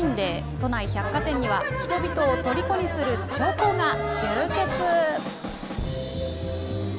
都内百貨店には人々をとりこにするチョコが集結。